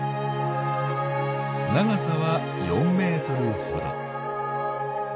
長さは４ｍほど。